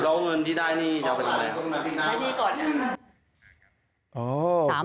แล้วเงินที่ได้จะเป็นอะไร